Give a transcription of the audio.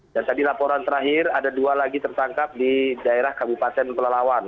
dan tadi laporan terakhir ada dua lagi tertangkap di daerah kabupaten pelawan